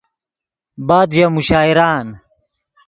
بعد ژے مشاعرآن